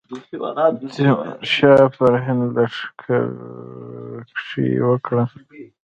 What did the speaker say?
تیمورشاه پر هند لښکرکښي وکړه.